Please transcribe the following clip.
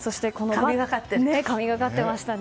神がかっていましたね。